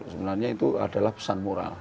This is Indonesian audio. sebenarnya itu adalah pesan moral